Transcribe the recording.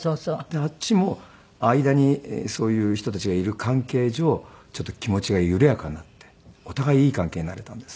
であっちも間にそういう人たちがいる関係上ちょっと気持ちが緩やかになってお互い良い関係になれたんです。